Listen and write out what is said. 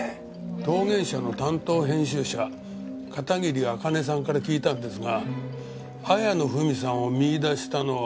陶玄社の担当編集者片桐茜さんから聞いたんですが綾野文さんを見いだしたのは。